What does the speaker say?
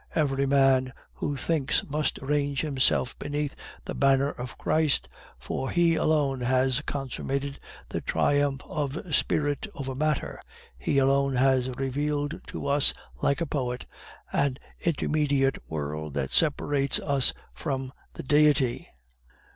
Every man who thinks must range himself beneath the banner of Christ, for He alone has consummated the triumph of spirit over matter; He alone has revealed to us, like a poet, an intermediate world that separates us from the Deity."